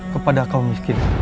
kepada kaum miskin